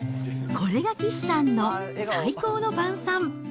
これが岸さんの最高の晩さん。